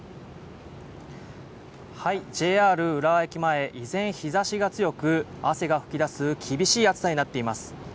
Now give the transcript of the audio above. ＪＲ浦和駅前依然、日ざしが強く汗が噴き出す厳しい暑さになっています。